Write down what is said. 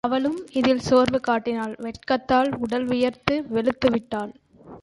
அவளும் இதில் சோர்வு காட்டினாள், வெட்கத்தால் உடல் வியர்த்து வெளுத்து விட்டாள்.